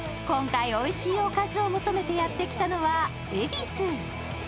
今回おいしいおかずを求めてやってきたのは恵比寿。